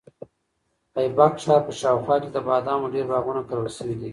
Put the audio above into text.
د ایبک ښار په شاوخوا کې د بادامو ډېر باغونه کرل شوي دي.